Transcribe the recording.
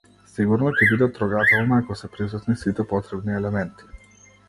Сигурно ќе биде трогателна ако се присутни сите потребни елементи.